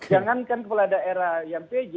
jangankan kepala daerah yang pj